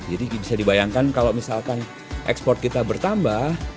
jadi bisa dibayangkan kalau misalkan ekspor kita bertambah